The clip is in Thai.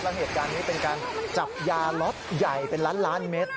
แล้วเหตุการณ์นี้เป็นการจับยาล็อตใหญ่เป็นล้านล้านเมตร